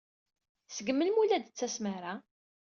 Seg melmi ur la d-tettasem ara?